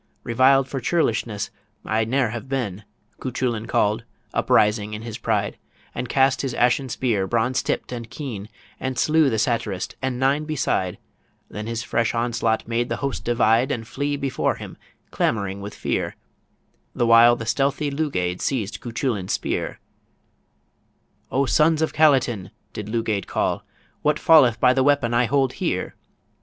'Reviled for churlishness I ne'er have been," Cuchullin call'd, up rising in his pride, And cast his ashen spear bronze tipp'd and keen And slew the satirist and nine beside, Then his fresh onslaught made the host divide And flee before him clamouring with fear, The while the stealthy Lugaid seized Cuchullin's spear "O sons of Calatin," did Lugaid call, "What falleth by the weapon I hold here?"